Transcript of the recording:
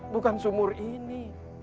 bukan sumur ini